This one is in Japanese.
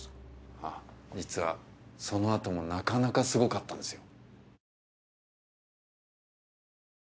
あぁ実はそのあともなかなかすごかったんですよ。